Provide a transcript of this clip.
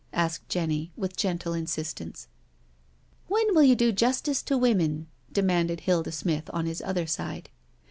asked Jenny, with gentle insistence. "When will you do justice to women?" demanded Hilda Smith on his other side.